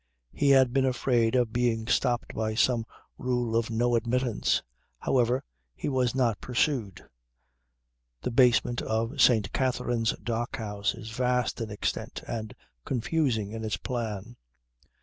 He had been afraid of being stopped by some rule of no admittance. However he was not pursued. The basement of St. Katherine's Dock House is vast in extent and confusing in its plan.